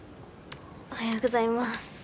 おはようございます。